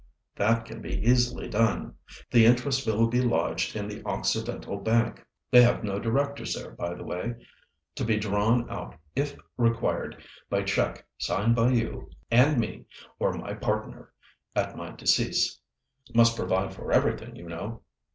"That can be easily done. The interest will be lodged in the Occidental Bank—they have no directors there, by the way—to be drawn out if required, by cheque signed by you and me or my partner at my decease—must provide for everything, you know.